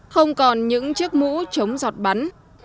không còn những chiếc mũ chống giọt bắn